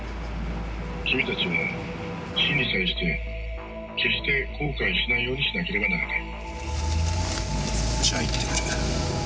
君たちも死に対して決して後悔しないようにしなければならない。